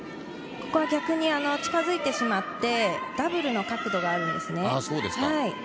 逆に近づいてしまってダブルの角度があるんですね。